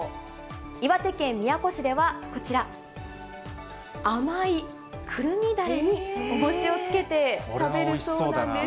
岩手県宮古市ではこちら、甘いくるみだれにお餅をつけて食べるそうなんです。